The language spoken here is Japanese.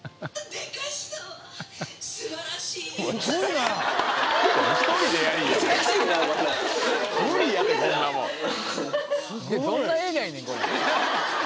でどんな映画やねんこれ！